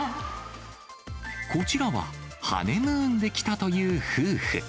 こちらは、ハネムーンで来たという夫婦。